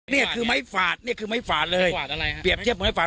เนี้ยคือไม้ฝาดเนี้ยคือไม้ฝาดเลยขวัดอะไรครับเขาไม่ได้ฝาด